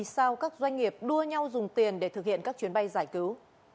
doanh nghiệp đua nhau dùng tiền để thực hiện các chuyến bay giải cứu